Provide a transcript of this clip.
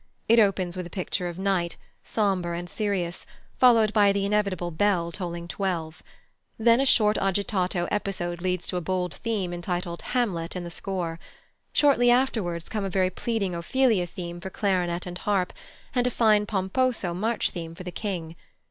It opens with a picture of night, sombre and serious, followed by the inevitable bell tolling twelve. Then a short agitato episode leads to a bold theme entitled "Hamlet" in the score. Shortly afterwards come a very pleading Ophelia theme for clarinet and harp, and a fine pomposo march theme for the King.